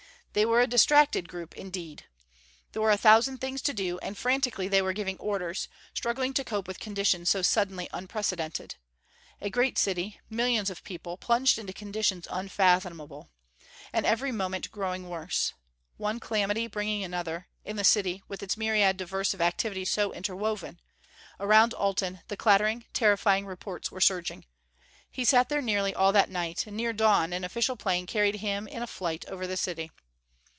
They were a distracted group indeed! There were a thousand things to do, and frantically they were giving orders, struggling to cope with conditions so suddenly unprecedented. A great city, millions of people, plunged into conditions unfathomable. And every moment growing worse. One calamity bringing another, in the city, with its myriad diverse activities so interwoven. Around Alten the clattering, terrifying reports were surging. He sat there nearly all that night; and near dawn, an official plane carried him in a flight over the city.